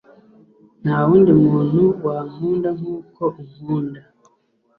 nta wundi muntu wankunda nk’uko unkunda